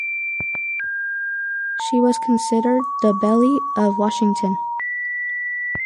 She was considered the belle of Washington.